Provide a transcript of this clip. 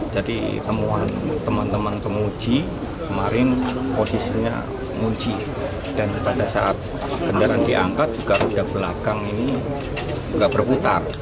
jadi temuan teman teman penguji kemarin posisinya ngunci dan pada saat kendaraan diangkat juga roda belakang ini nggak berputar